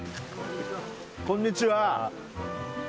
こんにちは。